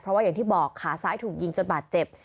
เพราะว่าอย่างที่บอกขาซ้ายถูกยิงจนบาดเจ็บ